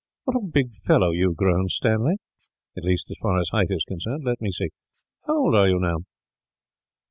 What a big fellow you have grown, Stanley; at least, as far as height is concerned. Let me see. How old are you, now?"